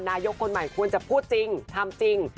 หากแบบปรับภาพที่สำคัญ